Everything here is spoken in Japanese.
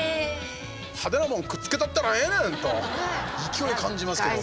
派手なもんくっつけたったらええねん！と勢いを感じますけどね。